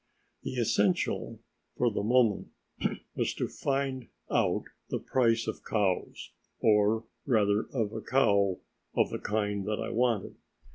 The essential, for the moment, was to find out the price of cows or, rather, of a cow of the kind that I wanted.